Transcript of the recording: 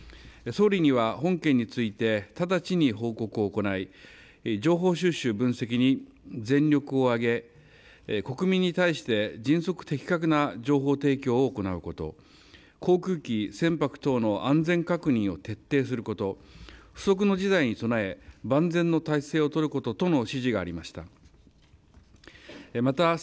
総理には本件について直ちに報告を行い、情報収集、分析に全力を挙げ、国民に対して迅速、的確な情報提供を行うこと、航空機、船舶等の安全確認を徹底すること、不測の事態に備え、万全の態勢を取ることとの指示がありました。